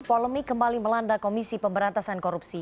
polemik kembali melanda komisi pemberantasan korupsi